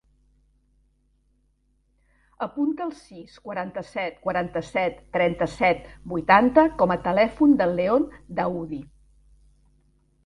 Apunta el sis, quaranta-set, quaranta-set, trenta-set, vuitanta com a telèfon del León Daoudi.